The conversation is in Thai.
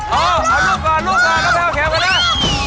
เอาลูกก่อนลูกก่อนก็แผงเข้าไปได้